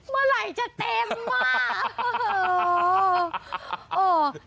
เมื่อไหลจะเต็มมา